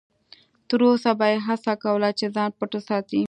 تر وسه به یې هڅه کوله چې ځان پټ وساتي.